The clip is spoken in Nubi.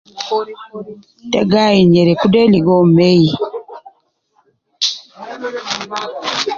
Tegaayin nyereku de ligo uwo mei